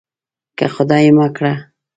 که خدای مه کړه.